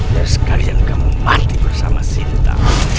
biar sekalian kamu mati bersama sinta